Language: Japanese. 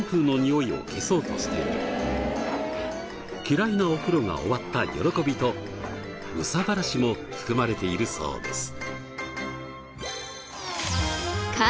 嫌いなお風呂が終わった喜びと憂さ晴らしも含まれているそうです。